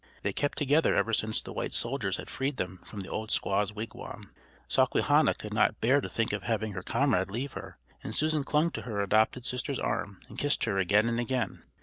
They had kept together ever since the white soldiers had freed them from the old squaw's wigwam. Sawquehanna could not bear to think of having her comrade leave her, and Susan clung to her adopted sister's arm and kissed her again and again.